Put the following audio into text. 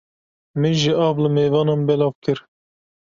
Min jî av li mêvanan belav kir.